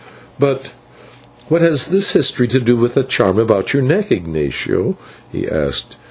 "But what has this history to do with the charm about your neck, Ignatio?" he asked.